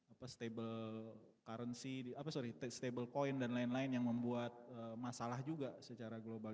apa stable currency apa sorry stable coin dan lain lain yang membuat masalah juga secara global